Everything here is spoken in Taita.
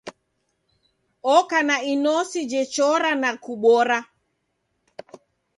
Oka na inosi jechora na kubora.